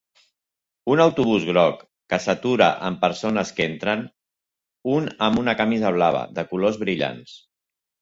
Un autobús groc que s'atura amb persones que entren, un amb una camisa blava de colors brillants.